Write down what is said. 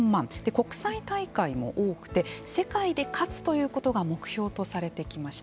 国際大会も多くて世界で勝つということが目標とされてきました。